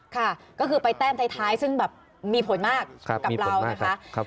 ค่ะก็คือไปแต้มท้ายซึ่งแบบมีผลมากกับเรานะคะ